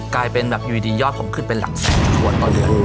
กลายเป็นแบบอยู่ดียอดผมขึ้นเป็นหลักแสนขวดต่อเดือน